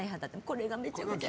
これがめちゃめちゃ。